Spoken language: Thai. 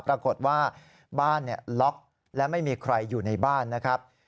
ปรากฏว่าบ้านล็อกและไม่มีใครอยู่ในบ้านนะครับ